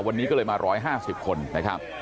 วันนี้ก็เลยมา๑๕๐คนนะครับ